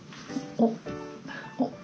おっ！